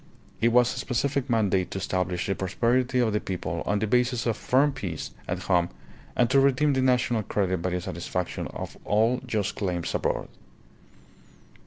It was a specific mandate to establish the prosperity of the people on the basis of firm peace at home, and to redeem the national credit by the satisfaction of all just claims abroad.